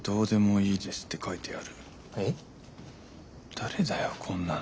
誰だよこんなの。